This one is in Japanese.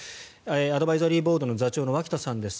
アドバイザリーボードの座長の脇田さんです。